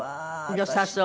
良さそう。